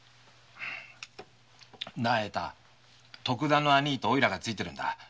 徳田の「兄い」とおいらがついてるんだ。